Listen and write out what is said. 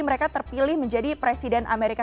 mereka terpilih menjadi presiden amerika